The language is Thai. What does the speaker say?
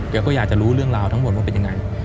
ก็อยากจะรู้เรื่องราวทั้งหมดว่าเป็นยังไง